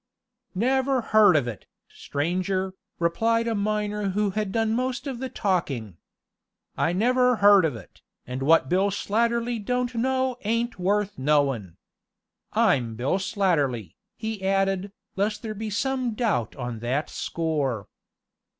"Never heard of it, stranger," replied a miner who had done most of the talking. "I never heard of it, and what Bill Slatterly don't know ain't worth knowin'. I'm Bill Slatterly," he added, lest there be some doubt on that score.